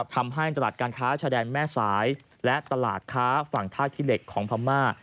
ทำให้ตลาดการค้าชายแดนแม่สายและตลาดค้าฝั่งท่าขี้เหล็กของพม่า